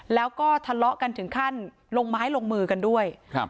แล้วก็ทะเลาะกันถึงขั้นลงไม้ลงมือกันด้วยครับ